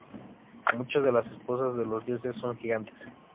Muchas de las esposas de los dioses son gigantes.